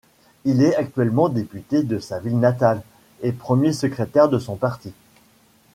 Il est actuellement député de sa ville natale et premier secrétaire de son parti.